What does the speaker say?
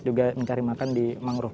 juga mencari makan di mangrove